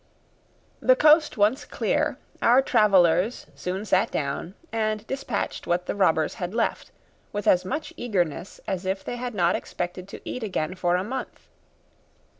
The coast once clear, our travellers soon sat down and dispatched what the robbers had left, with as much eagerness as if they had not expected to eat again for a month.